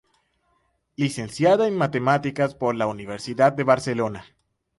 Licenciada en Matemáticas por la Universidad de Barcelona.